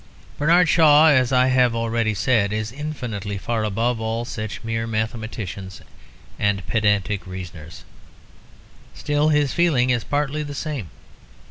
Bernard Shaw, as I have already said, is infinitely far above all such mere mathematicians and pedantic reasoners; still his feeling is partly the same.